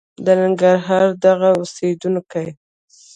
د ننګرهار دغه اوسېدونکي